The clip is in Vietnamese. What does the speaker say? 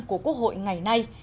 của quốc hội ngày nay